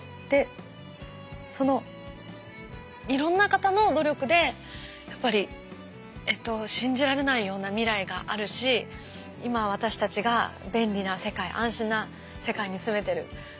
でそのいろんな方の努力でやっぱりえっと信じられないような未来があるし今私たちが便利な世界安心な世界に住めてる。